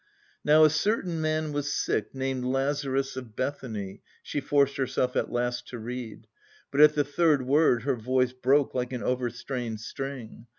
"Now a certain man was sick named Lazarus of Bethany..." she forced herself at last to read, but at the third word her voice broke like an overstrained string.